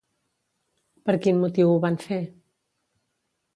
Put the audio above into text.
Per quin motiu ho van fer?